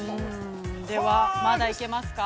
◆では、まだいけますか？